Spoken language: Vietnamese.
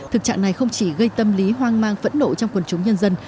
thực trạng này không chỉ gây tâm lý hoang mang phẫn nộ trong quần chúng nhân dân